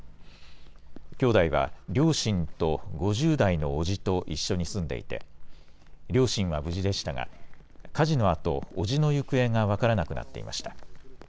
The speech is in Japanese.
兄弟は、両親と５０代の伯父と一緒に住んでいて、両親は無事でしたが、火事のあと、伯父の行方が分からなくなっていました。